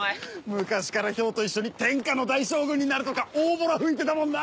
昔から漂と一緒に天下の大将軍になるとか大ぼら吹いてたもんな！